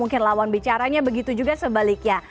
mungkin lawan bicaranya begitu juga sebaliknya